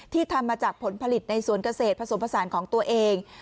ทำมาจากผลผลิตในสวนเกษตรผสมผสานของตัวเอง